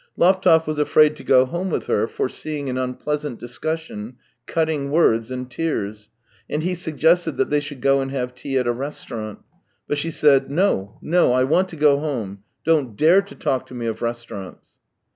Laptev was afraid to go home with her, fore seeing an unpleasant discussion, cutting words, and tears, and he suggested that they should go and have tea at a restaurant. But she said: " No, no. I want to go home. Don't dare to talk to me of restaurants."